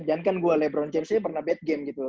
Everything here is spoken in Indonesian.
dan kan gue lebron james aja pernah bad game gitu loh